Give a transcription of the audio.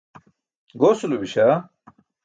Gosulo biśa.